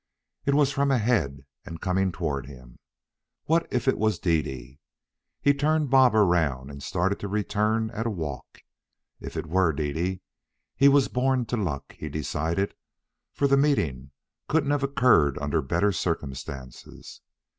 It was from ahead and coming toward him. What if it were Dede? He turned Bob around and started to return at a walk. If it were Dede, he was born to luck, he decided; for the meeting couldn't have occurred under better circumstances.